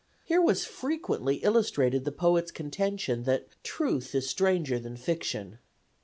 Here was frequently illustrated the poet's contention that truth is stranger than fiction.